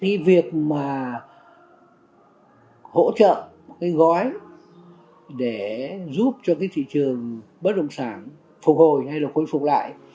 cái việc mà hỗ trợ một cái gói để giúp cho cái thị trường bất động sản phục hồi hay là khôi phục lại